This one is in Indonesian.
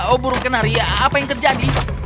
oh burung kenaria apa yang terjadi